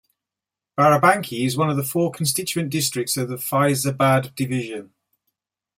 Barabanki is one of the four constituent districts of Faizabad Division.